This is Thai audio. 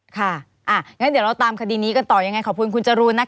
อย่างนั้นเดี๋ยวเราตามคดีนี้กันต่อยังไงขอบคุณคุณจรูนนะคะ